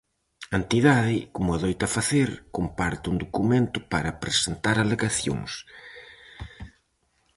A entidade, como adoita facer, comparte un documento para presentar alegacións.